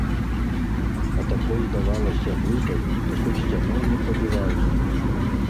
А такой здавалася глыбай, такой сцяной непрабівальнай.